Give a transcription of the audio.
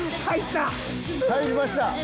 入った。